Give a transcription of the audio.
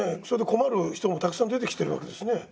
それで困る人もたくさん出てきてるわけですね。